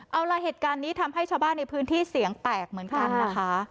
เอาล่ะเหตุการณ์นี้ทำให้ชาวบ้านในพื้นที่เสียงแตกเหมือนกันนะคะ